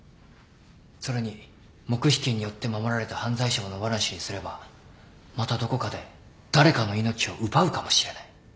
それに黙秘権によって守られた犯罪者を野放しにすればまたどこかで誰かの命を奪うかもしれない。